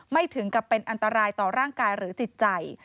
ถึงกับเป็นอันตรายต่อร่างกายหรือจิตใจ